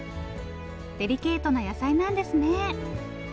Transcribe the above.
デリケートな野菜なんですね。